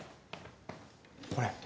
これ。